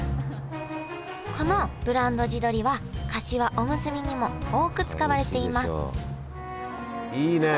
このブランド地どりはかしわおむすびにも多く使われていますいいね！